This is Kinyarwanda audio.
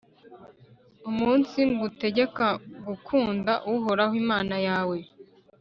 umunsi ngutegeka gukunda uhoraho imana yawe,